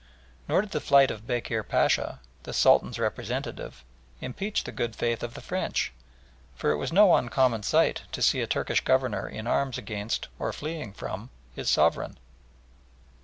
Nor did the flight of Bekir Pacha, the Sultan's representative, impeach the good faith of the French, for it was no uncommon sight to see a Turkish governor in arms against, or fleeing from, his sovereign.